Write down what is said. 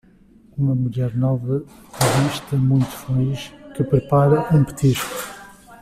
Uma mulher nova de vista muito feliz que prepara um petisco.